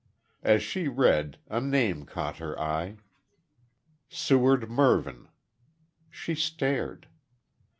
As she read, a name caught her eye. "Seward Mervyn." She stared.